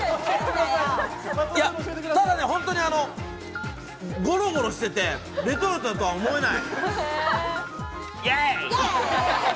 ただ本当にゴロゴロしていて、レトルトとは思えない。